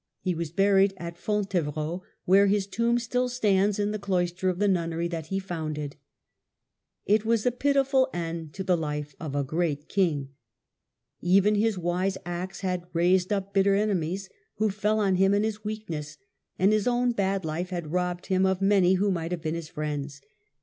He was buried at Fontevrault, where his tomb still stands in the cloister of the nunnery that he founded. " It was a pitiful end to the life of a great king. Even his wise acts had raised up bitter enemies, who fell on him in his weakness; and his own bad life had robbed him of many who might have been his friends.